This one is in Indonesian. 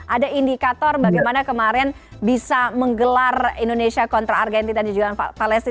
ada indikator bagaimana kemarin bisa menggelar indonesia kontra argentina di jalan palestiniani